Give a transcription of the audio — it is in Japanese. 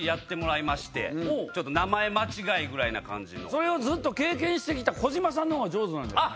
それをずっと経験して来た児嶋さんのほうが上手じゃない？